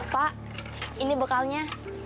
pak ini bekalnya